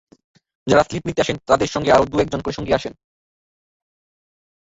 যাঁরা স্লিপ নিতে আসেন তাঁদের সঙ্গে আরও দু-একজন করে সঙ্গী আসেন।